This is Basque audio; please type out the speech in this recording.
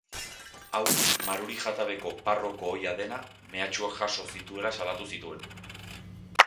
Hau, Maruri-Jatabeko parroko ohia dena, mehatxuak jaso zituela salatu zituen.